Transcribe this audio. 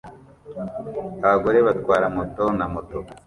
Abagore batwara moto na moto